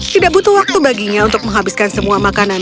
tidak butuh waktu baginya untuk menghabiskan semua makanan